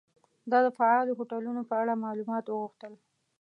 ما د فعالو هوټلونو په اړه معلومات وغوښتل.